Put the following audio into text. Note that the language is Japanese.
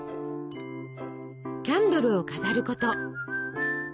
キャンドルを飾ること。